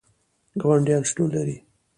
ګاونډیان شتون لري